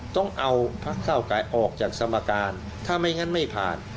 ต้องเอาพักเก้าไกรออกจากสมการถ้าไม่งั้นไม่ผ่าน